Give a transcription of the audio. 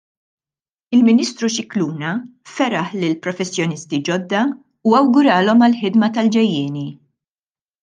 Il-Ministru Scicluna feraħ lill-professjonisti ġodda u awguralhom għall-ħidma tal-ġejjieni.